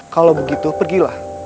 kalau begitu pergilah